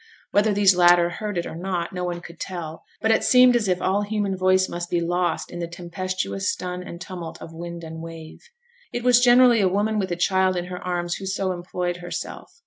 Whether these latter heard it or not, no one could tell; but it seemed as if all human voice must be lost in the tempestuous stun and tumult of wind and wave. It was generally a woman with a child in her arms who so employed herself.